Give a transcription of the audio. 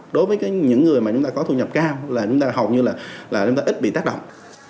đối với những người mà chúng ta có thu nhập cao là chúng ta hầu như là chúng ta ít bị tác động